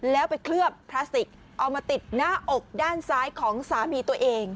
แล้วไปเคลือบพลาสติกเอามาติดหน้าอกด้านซ้ายของสามีตัวเอง